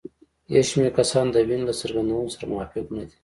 یو شمېر کسان د وین له څرګندونو سره موافق نه دي.